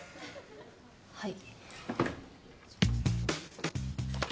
はい。